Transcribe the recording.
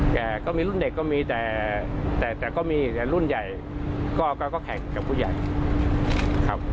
แต่ก็มีรุ่นเด็กก็มีแต่ก็มีแต่รุ่นใหญ่ก็แข่งกับผู้ใหญ่ครับ